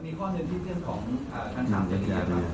มันมีข้อเด้นที่เรียนของท่านคุณพุมใจไทยหรือเปล่า